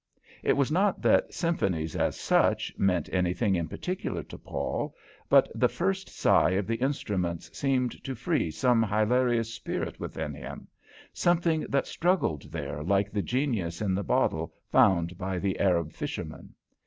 It was not that symphonies, as such, meant anything in particular to Paul, but the first sigh of the instruments seemed to free some hilarious spirit within him; something that struggled there like the Genius in the bottle found by the Arab fisherman.